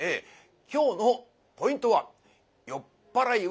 今日のポイントは「酔っ払いは虎と言う」。